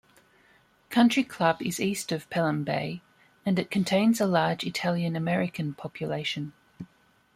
Country Club is east of Pelham Bay; and it contains a large Italian-American population.